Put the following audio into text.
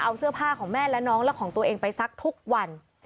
เอาเสื้อผ้าของแม่และน้องและของตัวเองไปซักทุกวัน